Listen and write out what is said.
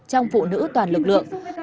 trong phụ nữ toàn lực lượng